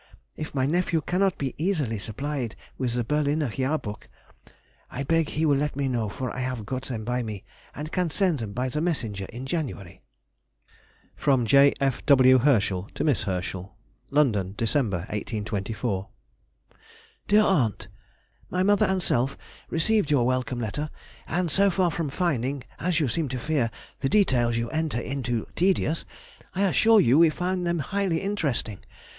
If my nephew cannot be easily supplied with the Berliner Jahrbuch, I beg he will let me know, for I have got them by me, and can send them by the messenger in January. FROM J. F. W. HERSCHEL TO MISS HERSCHEL. LONDON, December, 1824. DEAR AUNT,— My mother and self received your welcome letter, and so far from finding, as you seem to fear, the details you enter into tedious, I assure you we found them highly interesting.